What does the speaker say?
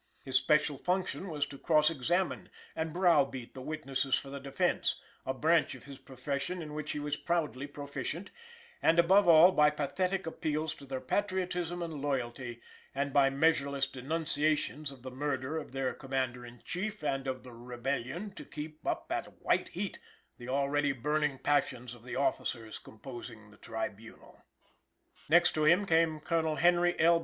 His special function was to cross examine and brow beat the witnesses for the defense, a branch of his profession in which he was proudly proficient, and, above all, by pathetic appeals to their patriotism and loyalty, and by measureless denunciations of the murder of their Commander in Chief and of the Rebellion, to keep up at a white heat the already burning passions of the officers composing the tribunal. Next to him came Colonel Henry L.